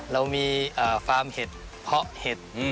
เรามีฟาร์มเห็ดเพาะเห็ด